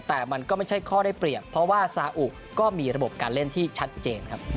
แต่มันก็ไม่ใช่ข้อได้เปรียบเพราะว่าซาอุก็มีระบบการเล่นที่ชัดเจนครับ